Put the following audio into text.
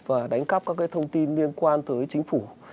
và đánh cắp các cái thông tin liên quan tới chính phủ